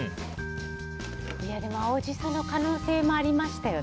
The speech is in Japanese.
青ジソの可能性もありましたよね。